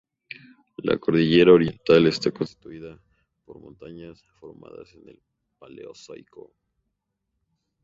La cordillera Oriental está constituida por montañas formadas en el Paleozoico.